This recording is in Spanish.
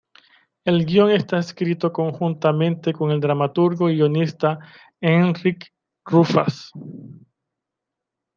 El guion está escrito conjuntamente con el dramaturgo y guionista Enric Rufas.